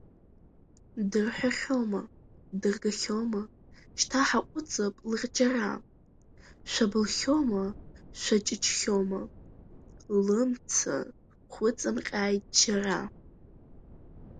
Дырҳәахьома, дыргахьома, шьҭа ҳаҟәыҵып лырџьара, шәабылхьома, шәаҷыҷхьома, лымца хәыҵымҟьааит џьара!